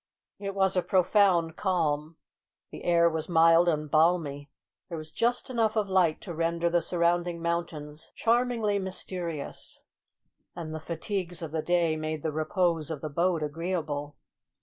It was a profound calm. The air was mild and balmy. There was just enough of light to render the surrounding mountains charmingly mysterious, and the fatigues of the day made the repose of the boat agreeable.